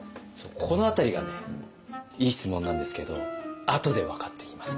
この辺りがねいい質問なんですけどあとで分かってきますから。